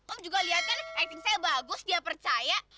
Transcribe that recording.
om juga lihat kan acting saya bagus dia percaya